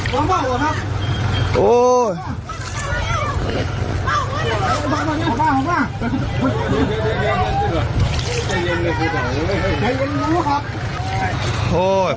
ร้องบ้างหรือครับ